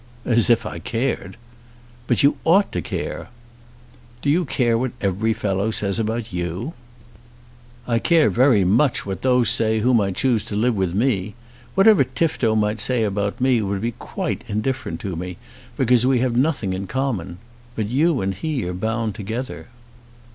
"As if I cared!" "But you ought to care." "Do you care what every fellow says about you?" "I care very much what those say whom I choose to live with me. Whatever Tifto might say about me would be quite indifferent to me, because we have nothing in common. But you and he are bound together."